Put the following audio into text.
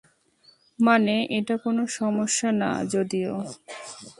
মানে, এটা কোনও সমস্যা না যদিও!